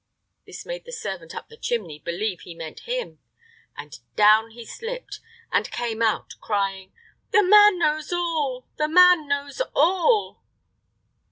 This made the servant up the chimney believe he meant him, and down he slipped, and came out, crying, "The man knows all, the man knows all!"